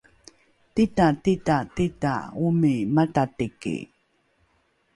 tita tita tita omi matatiki